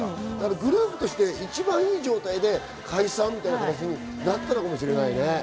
グループとして一番良い状態で解散みたいな形になったのかもしれないね。